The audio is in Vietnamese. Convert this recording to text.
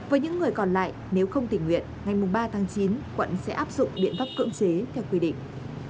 với những người còn lại nếu không tình nguyện ngày ba tháng chín quận sẽ áp dụng biện pháp cưỡng chế theo quy định